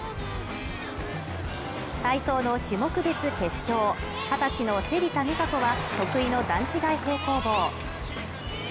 体操の種目別決勝形の芹田未果子は得意の段違い平行棒